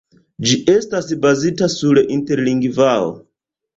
Ĝi estas bazita sur Interlingvao.